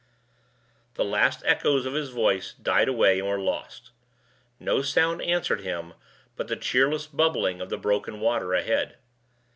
The last echoes of his voice died away and were lost. No sound answered him but the cheerless bubbling of the broken water ahead.